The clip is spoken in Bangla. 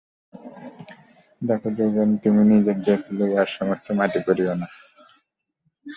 দেখো যোগেন, তুমি নিজের জেদ লইয়া সমস্ত মাটি করিয়ো না।